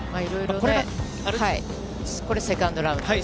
これ、セカンドの。